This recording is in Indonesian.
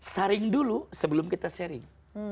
saring dulu sebelum kita sharing